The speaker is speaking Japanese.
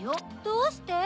どうして？